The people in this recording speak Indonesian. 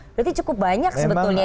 berarti cukup banyak sebetulnya